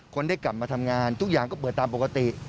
คนได้กลับมาทำงานทุกอย่างก็เปิดตามปกติ